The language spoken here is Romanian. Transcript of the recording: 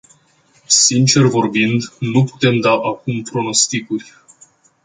Sincer vorbind, nu putem da acum pronosticuri.